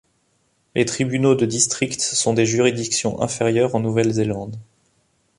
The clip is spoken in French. Les tribunaux de district sont des juridictions inférieures en Nouvelle-Zélande.